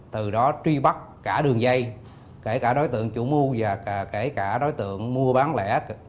từ đó truy bắt cả đường dây kể cả đối tượng chủ mu và kể cả đối tượng mua bán lẻ